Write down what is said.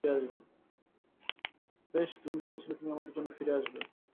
বেশ, তুমি বলেছিলে তুমি আমাদের জন্য ফিরে আসবে।